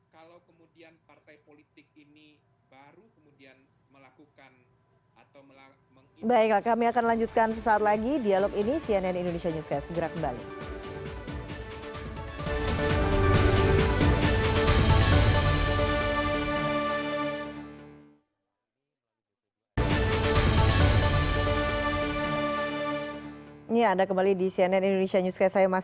kalau kemudian partai politik ini baru kemudian melakukan atau mengimput